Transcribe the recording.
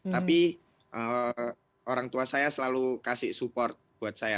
tapi orang tua saya selalu kasih support buat saya